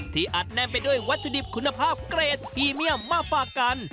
อัดแน่นไปด้วยวัตถุดิบคุณภาพเกรดพรีเมียมมาฝากกัน